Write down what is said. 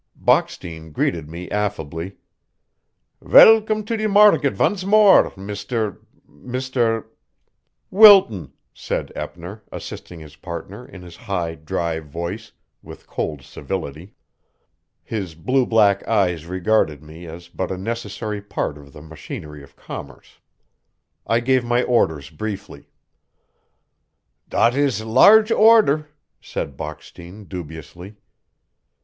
Bockstein greeted me affably: "Velgome to de marget vonce more, Mr. , Mr. " "Wilton," said Eppner, assisting his partner in his high, dry voice, with cold civility. His blue black eyes regarded me as but a necessary part of the machinery of commerce. I gave my orders briefly. "Dot is a larch order," said Bockstein dubiously.